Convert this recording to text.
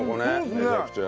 めちゃくちゃ。